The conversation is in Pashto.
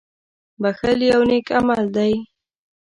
• بښل یو نېک عمل دی.